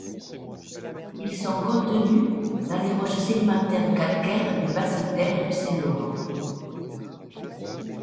Ils sont contenus dans les roches sédimentaires calcaires des Basses-Terres du Saint-Laurent.